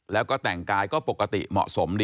แล้วก็แต่งกายก็ปกติเหมาะสมดี